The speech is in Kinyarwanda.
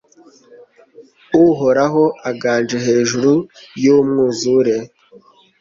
Uhoraho aganje hejuru y’umwuzure